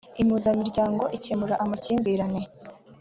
impuzamiryango ikemura amakimbirane.